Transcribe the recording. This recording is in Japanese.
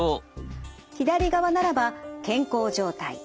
左側ならば健康状態。